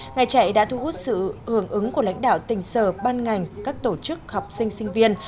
ngày chạy đã thu hút sự hưởng ứng của lãnh đạo tỉnh sở ban ngành các tổ chức học sinh sinh viên